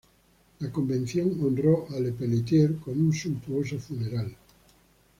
La Convención honró a Le Peletier con un suntuoso funeral.